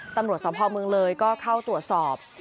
ตำรวจสภเมืองเลยก็เข้าตรวจสอบ